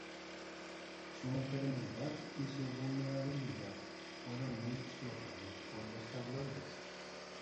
Su enfermedad y su vulnerabilidad fueron muy explotados por los tabloides.